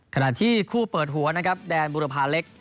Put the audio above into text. ขณะที่คู่เปิดหัวนะครับแดนบุรพาเล็ก